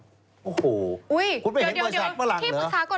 โอ้โหคุณไม่เห็นบริษัทฝรั่งเหรอ